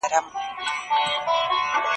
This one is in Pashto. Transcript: هلک د انا د لمانځه چادر کش کړ.